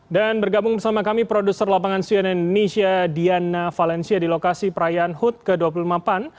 dan bergabung bersama kami produser lapangan sian indonesia diana valencia di lokasi perayaan hood ke dua puluh lima pan